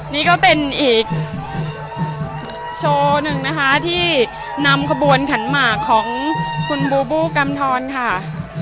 นี่ก็เป็นอีกโชว์หนึ่งนะคะที่นำขบวนขันหมากของคุณบูบูกำทรค่ะ